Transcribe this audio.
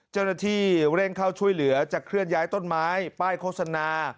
เจ้าหน้าที่เร่งเข้าช่วยเหลือจะเคลื่อนย้ายต้นไม้ป้ายโฆษณา